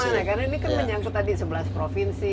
karena ini kan menyangkut tadi sebelas provinsi